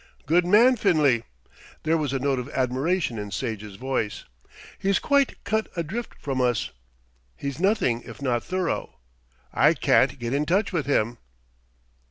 "Good man, Finlay." There was a note of admiration in Sage's voice. "He's quite cut adrift from us. He's nothing if not thorough. I can't get in touch with him."